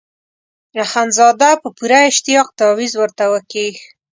اخندزاده په پوره اشتیاق تاویز ورته وکیښ.